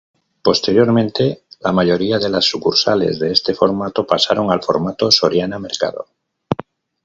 Posteriormente la mayoría de las sucursales de este formato pasaron al formato Soriana Mercado.